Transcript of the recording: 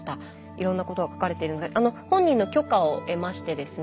いろんなことが書かれてるんですが本人の許可を得ましてですね